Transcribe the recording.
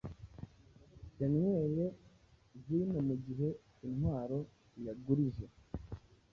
Yanyweye vinomugihe intwaro yagurije